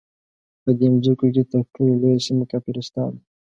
په دې مځکو کې تر ټولو لویه سیمه کافرستان وو.